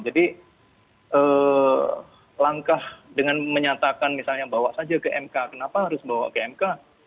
jadi langkah dengan menyatakan misalnya bawa saja ke mk kenapa harus bawa ke mk